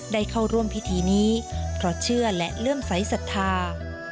ได้เข้าร่วมพิธีนี้เพราะเชื่อและเลื่อมใสสัทธา